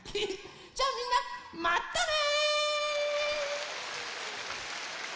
じゃあみんなまたね。